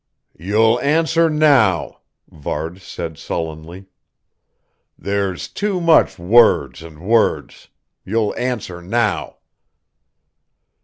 "You'll answer now," Varde said sullenly. "There's too much words and words.... You'll answer now."